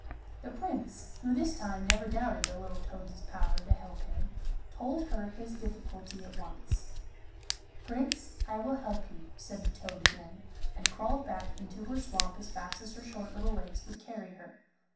The Prince, who this time never doubted the little toad's power to help him, told her his difficulty at once. 'Prince, I will help you,' said the toad again, and crawled back into her swamp as fast as her short little legs would carry her.